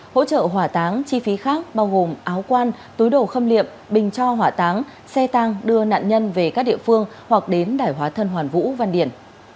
hỗ trợ hỏa táng chi phí khác bao gồm áo quan túi đồ khâm liệm bình cho hỏa táng xe tăng đưa nạn nhân về các địa phương hoặc đến đải hóa thân hoàn vũ văn điển